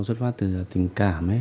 xuất phát từ tình cảm